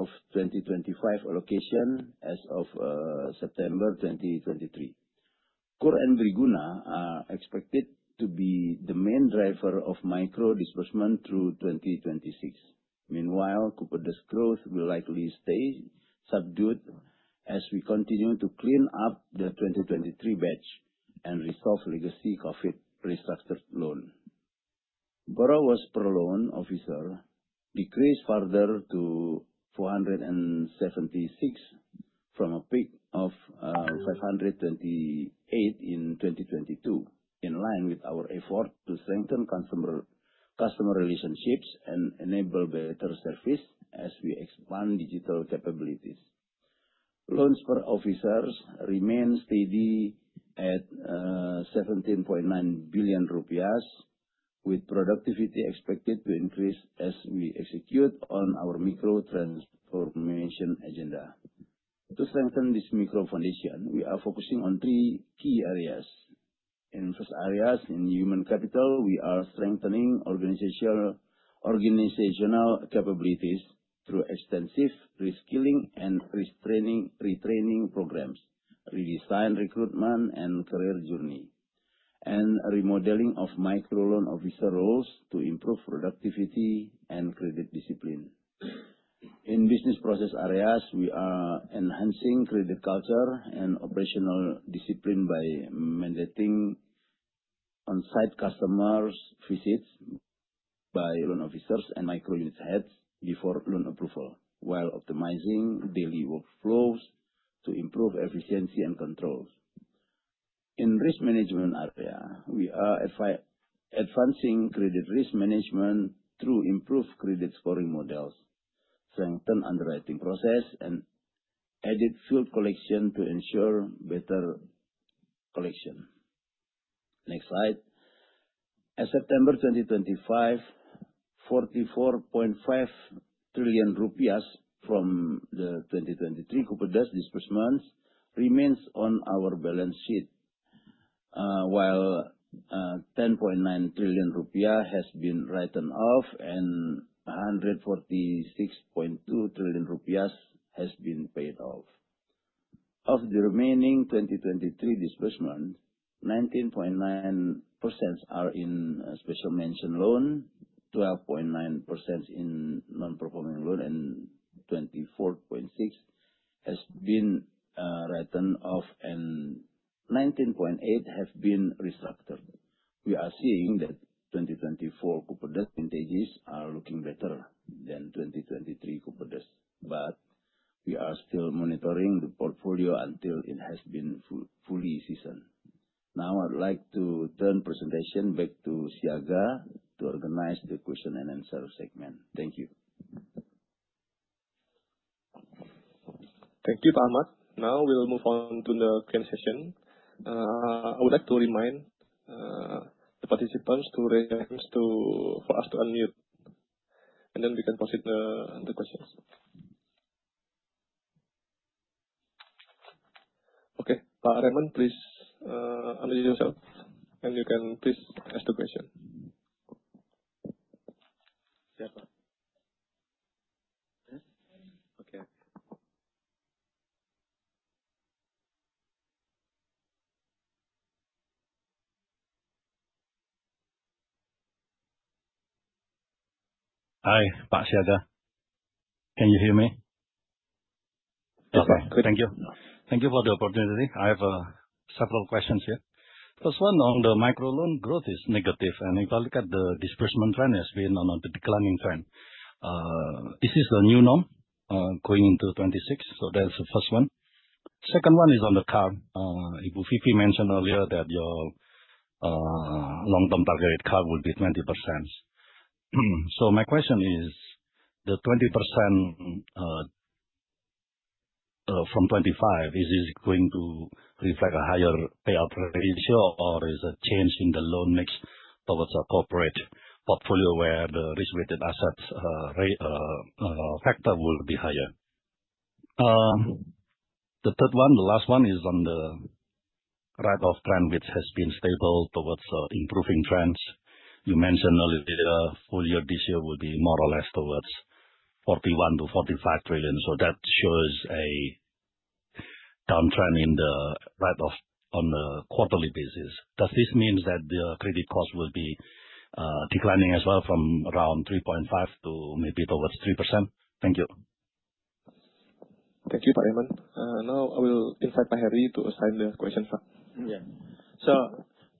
of 2025 allocation as of September 2023. KUR and Briguna are expected to be the main driver of micro disbursement through 2026. Meanwhile, cooperative growth will likely stay subdued as we continue to clean up the 2023 batch and resolve legacy COVID restructured loan. Borrowers per loan officer decreased further to 476 from a peak of 528 in 2022, in line with our effort to strengthen customer relationships and enable better service as we expand digital capabilities. Loans per officers remain steady at IDR 17.9 billion, with productivity expected to increase as we execute on our micro transformation agenda. To strengthen this micro foundation, we are focusing on three key areas. In first areas, in human capital, we are strengthening organizational capabilities through extensive reskilling and retraining programs, redesign recruitment and career journey, and remodeling of micro loan officer roles to improve productivity and credit discipline. In business process areas, we are enhancing credit culture and operational discipline by mandating on-site customers' visits by loan officers and micro unit heads before loan approval, while optimizing daily workflows to improve efficiency and controls. In risk management area, we are advancing credit risk management through improved credit scoring models, strengthened underwriting process, and added field collection to ensure better collection. Next slide. As of September 2025, 44.5 trillion rupiah from the 2023 cooperative disbursements remains on our balance sheet, while 10.9 trillion rupiah has been written off and 146.2 trillion rupiah has been paid off. Of the remaining 2023 disbursements, 19.9% are in special mention loan, 12.9% in non-performing loan, and 24.6% has been written off, and 19.8% have been restructured. We are seeing that 2024 cooperative advantages are looking better than 2023 cooperatives, but we are still monitoring the portfolio until it has been fully seasoned. Now, I'd like to turn the presentation back to Siaga to organize the question and answer segment. Thank you. Thank you, Pak Akhmad. Now we'll move on to the Q&A session. I would like to remind the participants to request for us to unmute, and then we can proceed to the questions. Okay, Pak Raymond, please unmute yourself, and you can please ask the question. Okay. Hi, Pak Siaga. Can you hear me? Okay, thank you. Thank you for the opportunity. I have several questions here. First one on the micro loan growth is negative, and if I look at the disbursement trend, it has been on a declining trend. This is the new norm going into 2026, so that's the first one. Second one is on the CAR. Ibu Vivi mentioned earlier that your long-term targeted CAR would be 20%. My question is, the 20% from 2025, is this going to reflect a higher payout ratio, or is there a change in the loan mix towards a corporate portfolio where the risk-weighted asset factor will be higher? The third one, the last one, is on the write-off trend, which has been stable towards improving trends. You mentioned earlier full year this year will be more or less towards 41 trillion-45 trillion, so that shows a downtrend in the write-off on a quarterly basis. Does this mean that the credit cost will be declining as well from around 3.5% to maybe towards 3%? Thank you. Thank you, Pak Raymond. Now, I will invite Pak Hery to assign the questions. Yeah.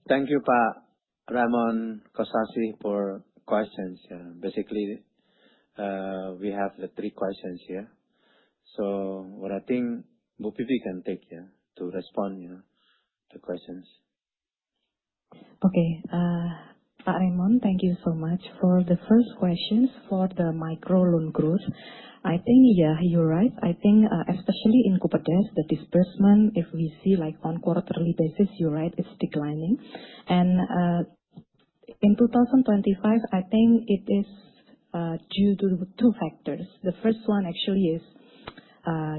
Thank you, Pak Raymond Kosasih, for questions. Basically, we have the three questions here. What I think Ibu Vivi can take to respond to the questions. Okay. Pak Raymond, thank you so much for the first questions for the micro loan growth. I think, yeah, you're right. I think, especially in cooperatives, the disbursement, if we see on a quarterly basis, you're right, it's declining. In 2025, I think it is due to two factors. The first one actually is,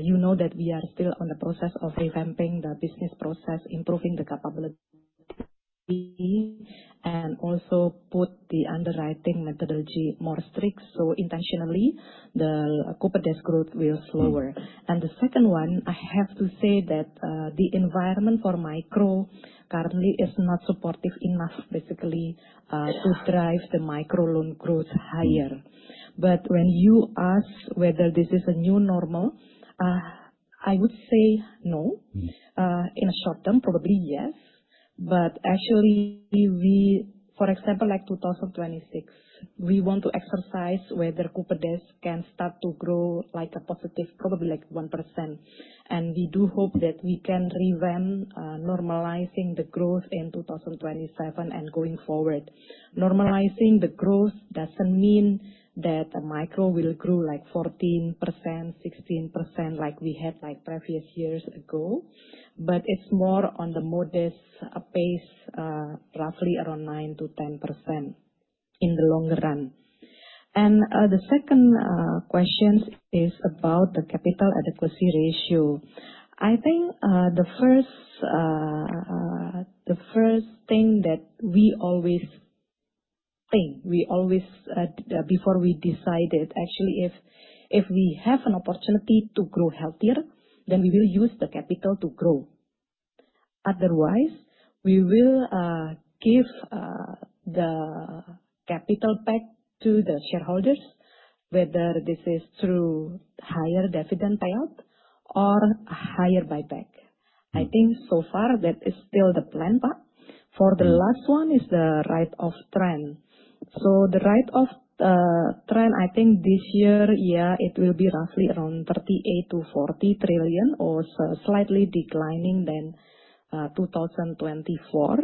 you know that we are still in the process of revamping the business process, improving the capability, and also putting the underwriting methodology more strict, so intentionally the cooperative growth will slower. The second one, I have to say that the environment for micro currently is not supportive enough, basically, to drive the micro loan growth higher. When you ask whether this is a new normal, I would say no. In the short term, probably yes. Actually, for example, like 2026, we want to exercise whether cooperatives can start to grow like a positive, probably like 1%. We do hope that we can revamp normalizing the growth in 2027 and going forward. Normalizing the growth doesn't mean that micro will grow like 14%, 16% like we had previous years ago, but it's more on the modest pace, roughly around 9-10% in the longer run. The second question is about the capital adequacy ratio. I think the first thing that we always think, before we decided, actually, if we have an opportunity to grow healthier, then we will use the capital to grow. Otherwise, we will give the capital back to the shareholders, whether this is through higher dividend payout or higher buyback. I think so far that is still the plan. The last one is the write-off trend. The write-off trend, I think this year, yeah, it will be roughly around 38 trillion-40 trillion or slightly declining than 2024.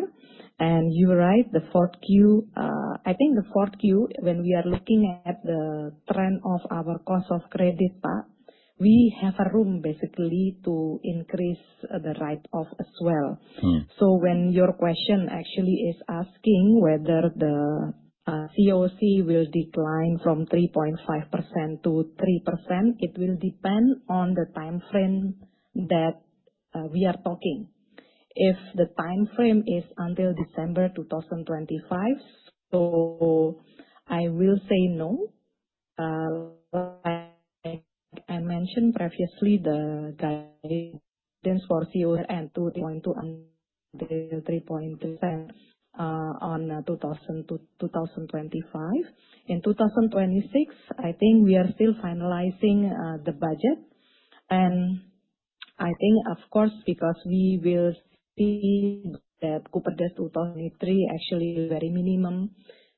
You're right, the fourth Q, I think the fourth Q, when we are looking at the trend of our cost of credit, we have a room basically to increase the write-off as well. When your question actually is asking whether the COC will decline from 3.5% to 3%, it will depend on the time frame that we are talking. If the time frame is until December 2025, I will say no. Like I mentioned previously, the guidance for COC is 2.2%-3.3% on 2025. In 2026, I think we are still finalizing the budget. I think, of course, because we will see that cooperatives 2023 actually very minimum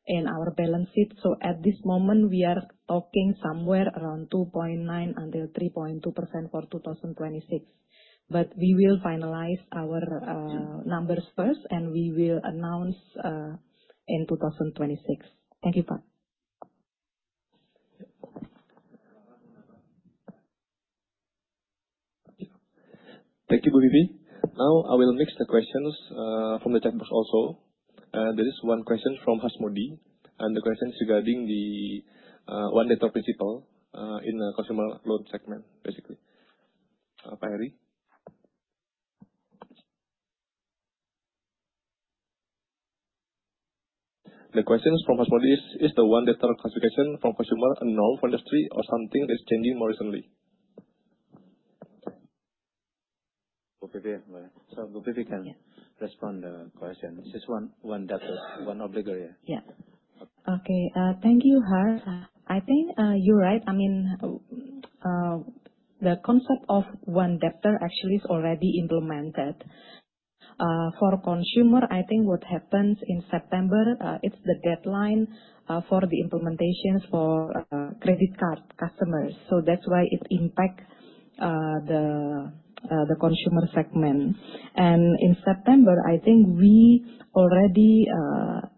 in our balance sheet. At this moment, we are talking somewhere around 2.9%-3.2% for 2026. We will finalize our numbers first, and we will announce in 2026. Thank you, Pak. Thank you, Ibu Vivi. Now, I will mix the questions from the chat box also. There is one question from Hasmodi, and the question is regarding the one-day term principal in the consumer loan segment, basically. Pak Hery. The question from Hasmodi is, is the one-day term classification from consumer a norm for industry or something that's changing more recently? I'll be able to respond to the question. It's just one obligatory. Yeah. Okay. Thank you, Hery. I think you're right. I mean, the concept of one-day term actually is already implemented. For consumer, I think what happens in September, it's the deadline for the implementations for credit card customers. That's why it impacts the consumer segment. In September, I think we already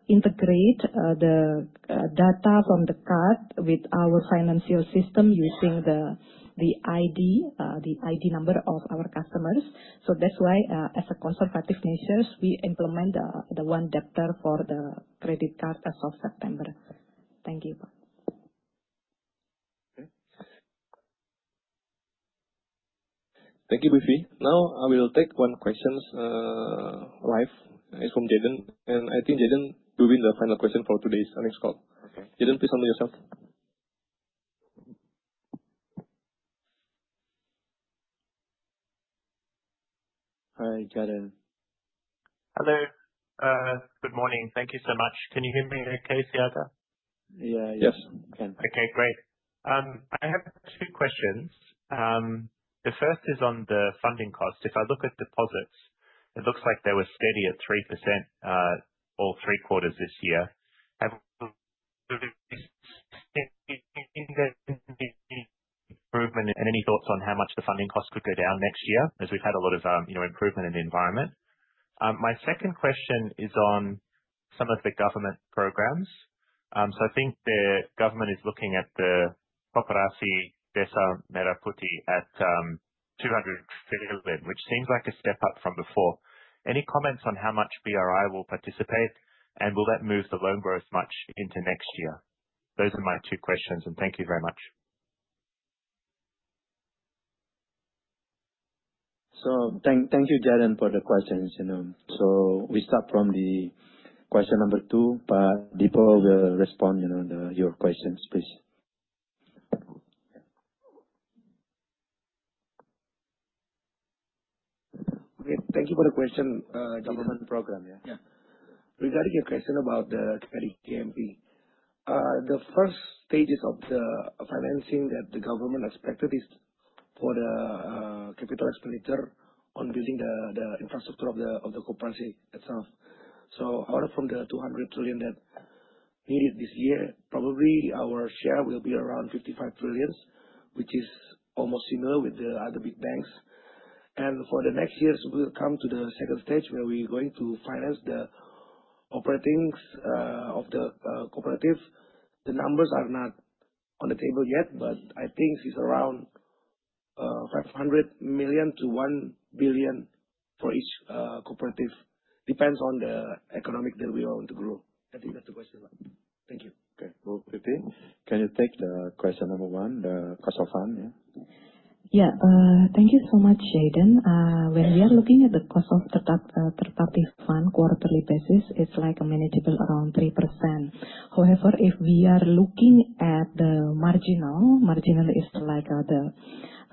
integrate the data from the card with our financial system using the ID number of our customers. That's why, as a conservative measure, we implement the one-day term for the credit card as of September. Thank you. Thank you, Ibu Vivi. Now, I will take one question live. It's from Jaden. I think Jaden will win the final question for today's earnings call. Jaden, please unmute yourself. Hi, Jaden. Hello. Good morning. Thank you so much. Can you hear me okay, Siaga? Yeah, yes. I can. Okay, great. I have two questions. The first is on the funding cost. If I look at deposits, it looks like they were steady at 3% all three quarters this year. Have we seen any improvement and any thoughts on how much the funding cost could go down next year, as we've had a lot of improvement in the environment? My second question is on some of the government programs. I think the government is looking at the Koperasi Desa Merah Putih at 200 trillion, which seems like a step up from before. Any comments on how much BRI will participate, and will that move the loan growth much into next year? Those are my two questions, and thank you very much. Thank you, Jaden, for the questions. We start from the question number two, but people will respond to your questions, please. Thank you for the question. Government program, yeah? Yeah. Regarding your question about the credit KMP, the first stages of the financing that the government expected is for the capital expenditure on building the infrastructure of the cooperative itself. Out of the 200 trillion that needed this year, probably our share will be around 55 trillion, which is almost similar with the other big banks. For the next years, we will come to the second stage where we're going to finance the operatings of the cooperative. The numbers are not on the table yet, but I think it's around 500 million-1 billion for each cooperative. Depends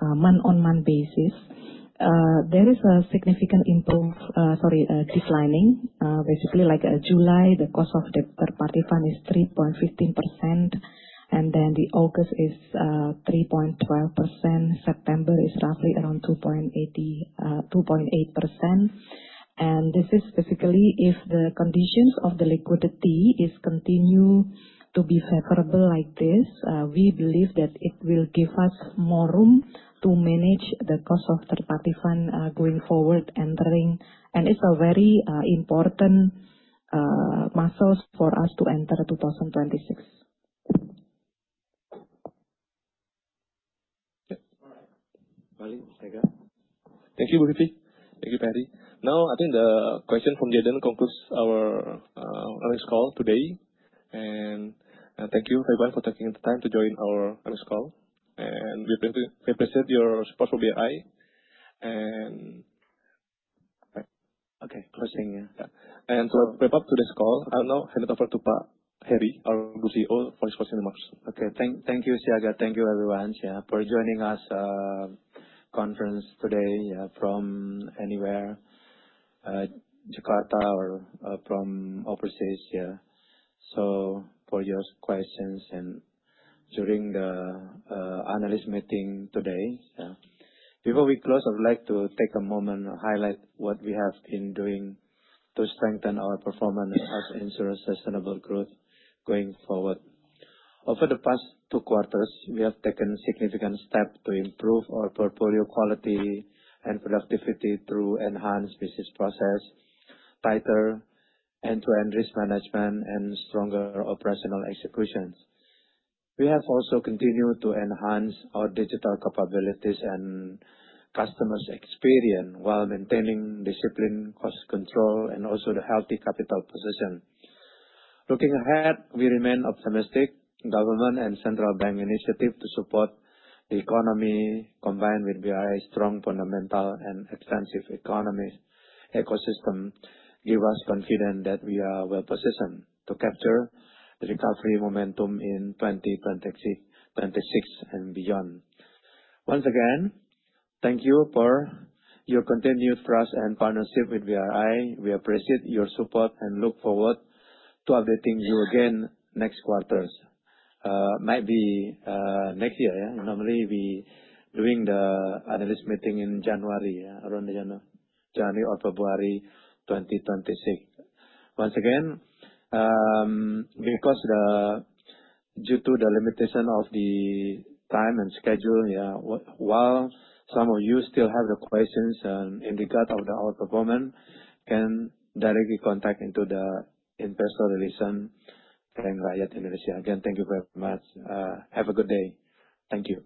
on the economic that we want to grow. I think that's the question. Thank you. Okay. Ibu Vivi, can you take the question number one, the cost of fund? Yeah. Thank you so much, Jaden. When we are looking at the cost of the third-party fund quarterly basis, it's like a manageable around 3%. However, if we are looking at the marginal, marginal is like the month-on-month basis, there is a significant improvement, sorry, declining. Basically, like July, the cost of the third-party fund is 3.15%, and then the August is 3.12%, September is roughly around 2.8%. This is basically if the conditions of the liquidity continue to be favorable like this, we believe that it will give us more room to manage the cost of third-party fund going forward, entering. It is a very important muscle for us to enter 2026. Thank you, Ibu Vivi. Thank you, Pak Hery. I think the question from Jaden concludes our earnings call today. Thank you everyone for taking the time to join our earnings call. We appreciate your support for BRI. Closing. To wrap up today's call, I'll now hand it over to Pak Hery, our CEO, for his question remarks. Thank you, Siaga. Thank you, everyone, for joining us for the conference today from anywhere, Jakarta or from overseas. For your questions and during the analyst meeting today, before we close, I would like to take a moment and highlight what we have been doing to strengthen our performance as insurance sustainable growth going forward. Over the past two quarters, we have taken significant steps to improve our portfolio quality and productivity through enhanced business process, tighter end-to-end risk management, and stronger operational executions. We have also continued to enhance our digital capabilities and customer's experience while maintaining discipline, cost control, and also the healthy capital position. Looking ahead, we remain optimistic. Government and central bank initiative to support the economy combined with BRI's strong fundamental and extensive economic ecosystem give us confidence that we are well positioned to capture the recovery momentum in 2026 and beyond. Once again, thank you for your continued trust and partnership with BRI. We appreciate your support and look forward to updating you again next quarter. Might be next year. Normally, we are doing the analyst meeting in January, around January or February 2026. Once again, because due to the limitation of the time and schedule, while some of you still have the questions in regard to our performance, can directly contact the investor relations Bank Rakyat Indonesia. Again, thank you very much. Have a good day. Thank you.